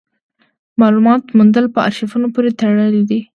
د مالوماتو موندل په ارشیفونو پورې تړلي وو.